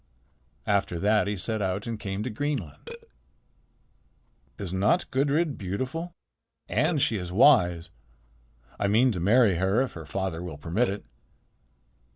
After that he set out and came to Greenland. "Is not Gudrid beautiful? And she is wise. I mean to marry her, if her father will permit it."